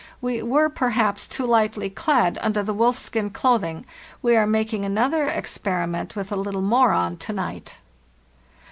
We were, perhaps, too lightly clad under the wolfskin clothing ; we are making another experiment with a little more on to night.